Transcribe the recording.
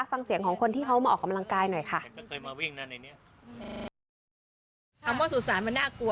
ฟังเสียงของคนที่เขามาออกกำลังกายหน่อยค่ะ